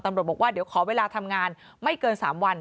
ตำรวจบอกว่าเดี๋ยวขอเวลาทำงานไม่เกิน๓วัน